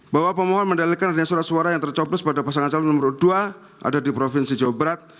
bahwa pemohon mendalikan adanya surat suara yang tercoblos pada pasangan calon nomor dua ada di provinsi jawa barat